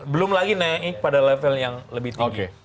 belum lagi naik pada level yang lebih tinggi